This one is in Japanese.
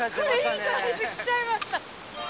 いいサイズ来ちゃいました。